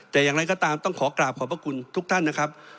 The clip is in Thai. แต่อย่างไรก็ตามต้องขอกราบขอบพระคุณทุกท่านนะครับ